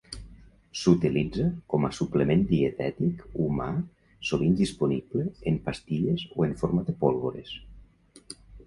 S'utilitza com a suplement dietètic humà sovint disponible en pastilles o en forma de pólvores.